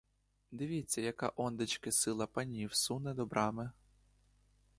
Дивіться, яка ондечки сила панів суне до брами!